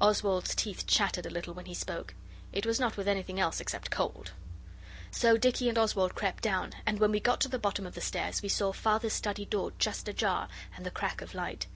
Oswald's teeth chattered a little when he spoke. It was not with anything else except cold. So Dicky and Oswald crept down, and when we got to the bottom of the stairs, we saw Father's study door just ajar, and the crack of light.